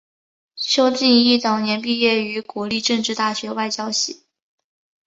邱进益早年毕业于国立政治大学外交系。